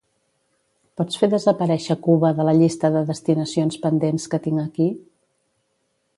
Pots fer desaparèixer Cuba de la llista de destinacions pendents que tinc aquí?